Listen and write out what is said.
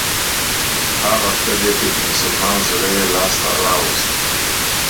ښه هغه دی چې د مسلمان زړه يې لاس ته راووست.